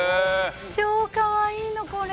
超かわいいのこれ。